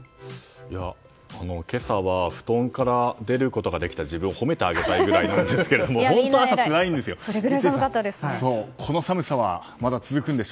今朝は布団から出ることができた自分を褒めてあげたいぐらいなんですけど本当に朝、つらいんですよ。